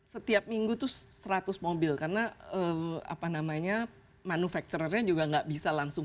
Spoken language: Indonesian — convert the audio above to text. setiap minggu itu seratus mobil karena apa namanya manufacturernya juga nggak bisa langsung